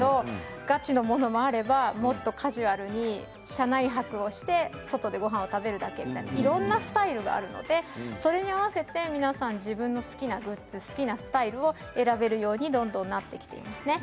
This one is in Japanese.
ガチのものもあればもっとカジュアルに車内泊をして外でごはんを食べるだけとか、いろんなスタイルがあるので、それに合わせて皆さん自分の好きなもの好きなスタイルを選べるようにどんどんなってきていますね。